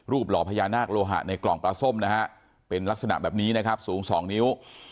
รูปหล่อพญานาคโลหะในกล่องปลาส้มเป็นลักษณะแบบนี้สูง๒นิ้ว